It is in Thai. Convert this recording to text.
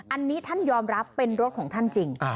อันนี้ท่านยอมรับเป็นรถของท่านจริง